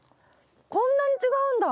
こんなに違うんだ！